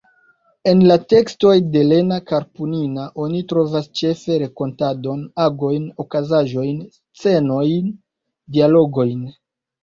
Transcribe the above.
En la tekstoj de Lena Karpunina oni trovas ĉefe rakontadon, agojn, okazaĵojn, scenojn, dialogojn.